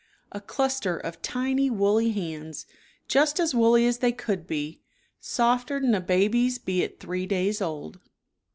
A cluster of tiny woolly hands, just \ jr^ as woolly as they could be, "softi a baby's be at three days old."